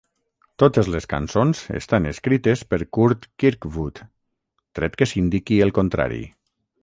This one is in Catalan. Totes les cançons estan escrites per Curt Kirkwood, tret que s'indiqui el contrari.